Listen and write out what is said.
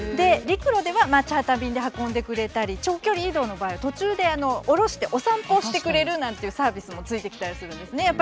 陸路ではチャーター便で運んでくれたり長距離移動の場合は途中で降ろしてお散歩をしてくれるなんていうサービスも付いてきたりするんですね。